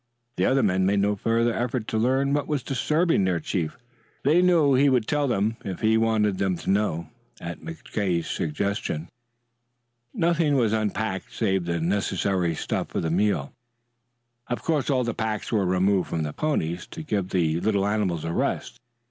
The other men made no further effort to learn what was disturbing their chief. They knew he would tell them if he wanted them to know. At McKay's suggestion, nothing was unpacked save the stuff necessary for their meal. Of course all the packs were removed from the ponies to give the little animals a rest.